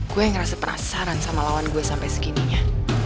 gue yang ngerasa penasaran sama lawan gue sampai segininya